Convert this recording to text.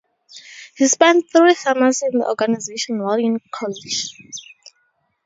He spent three summers in the organization while in college.